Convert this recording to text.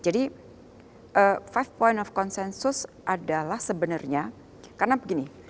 jadi five point of consensus adalah sebenarnya karena begini